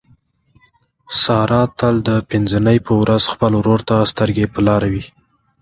ساره تل د پینځه نۍ په ورخ خپل ورور ته سترګې په لاره وي.